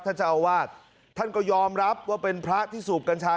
เจ้าอาวาสท่านก็ยอมรับว่าเป็นพระที่สูบกัญชา